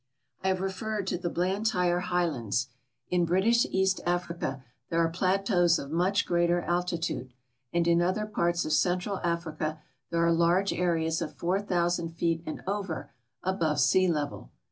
I have referred to the Blantyre highlands. In British East Africa there are plateaus of much greater altitude, and in other parts of Central Africa there are large areas of 4.000 feet and over above sea level.